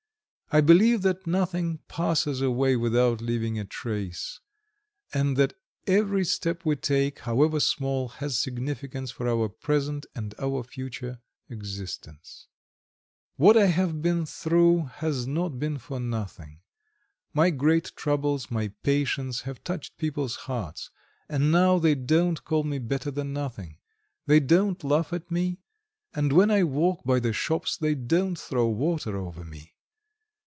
I believe that nothing passes away without leaving a trace, and that every step we take, however small, has significance for our present and our future existence. What I have been through has not been for nothing. My great troubles, my patience, have touched people's hearts, and now they don't call me "Better than nothing," they don't laugh at me, and when I walk by the shops they don't throw water over me.